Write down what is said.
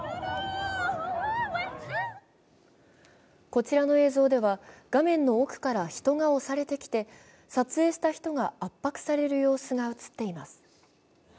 こちらの映像では画面の奥から人が押されてきて撮影した人が圧迫される様子が映っています。